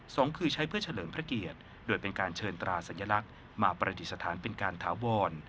คือใช้เพื่อเฉลิมพระเกียรติโดยเป็นการเชิญตราสัญลักษณ์มาประดิษฐานเป็นการถาวร